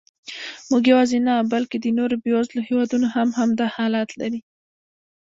موږ یواځې نه، بلکې د نورو بېوزلو هېوادونو هم همدا حالت لري.